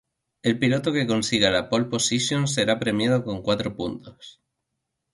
El piloto que consiga la pole position será premiado con cuatro puntos.